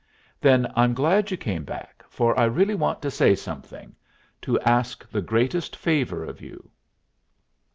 "Then I'm glad you came back, for I really want to say something, to ask the greatest favor of you."